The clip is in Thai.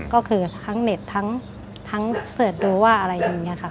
ก็คือทั้งเน็ตทั้งเสิร์ชดูว่าอะไรอย่างนี้ค่ะ